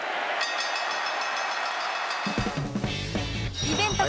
イベント後